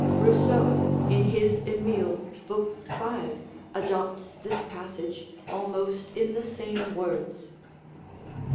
[Rousseau, in his Emile, book v., adopts this passage almost in the same words.